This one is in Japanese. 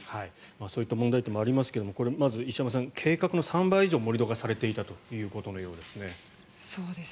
そういった問題点もありますけどまず、石山さん計画の３倍以上、盛り土がされていたということです。